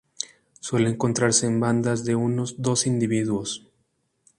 Suele encontrarse en bandadas de unos doce individuos.